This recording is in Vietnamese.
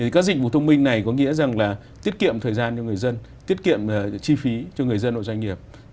các dịch vụ thông minh này có nghĩa rằng là tiết kiệm thời gian cho người dân tiết kiệm chi phí cho người dân và doanh nghiệp